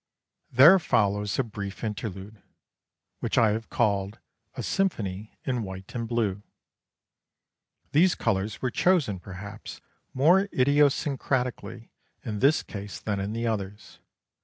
There follows a brief interlude, which I have called a "Symphony in White and Blue." These colours were chosen perhaps more idiosyncratically in this case than in the others.